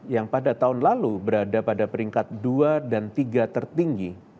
yang pada tahun lalu berada pada peringkat dua dan tiga tertinggi